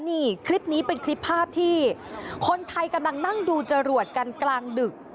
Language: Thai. นี่คลิปนี้เป็นคลิปภาพที่คนไทยกำลังนั่งดูจรวดกันกลางดึก